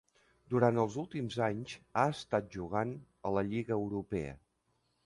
Durant els últims anys ha estat jugant a la lliga europea.